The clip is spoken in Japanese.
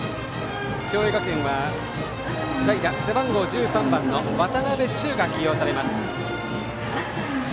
共栄学園は背番号１３番の渡邊修が起用されます。